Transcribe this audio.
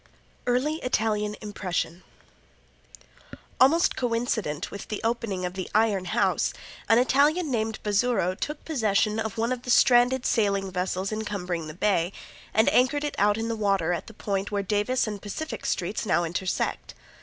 Early Italian Impression Almost coincident with the opening of the Iron House an Italian named Bazzuro took possession of one of the stranded sailing vessels encumbering the Bay, and anchored it out in the water at the point where Davis and Pacific streets now intersect.